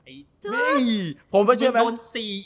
ไอ้จ๊ะมันโดน๔อีก